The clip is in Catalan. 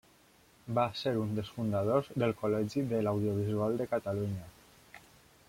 Va ser un dels fundadors del Col·legi de l'Audiovisual de Catalunya.